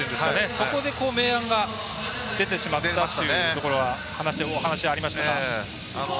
そこで明暗が出てしまったというお話がありましたが。